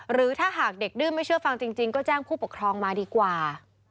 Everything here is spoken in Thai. หรือถ้าหากเด็กดื้อไม่เชื่อฟังจริงก็แจ้งผู้ปกครองมาดีกว่า